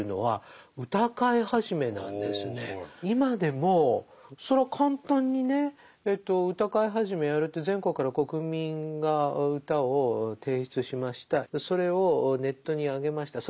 今でもそれは簡単にね歌会始やるって全国から国民が歌を提出しましたそれをネットにあげました。